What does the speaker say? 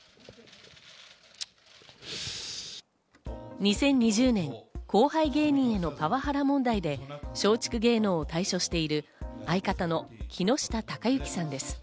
２０２０年、後輩芸人へのパワハラ問題で松竹芸能を退所している、相方の木下隆行さんです。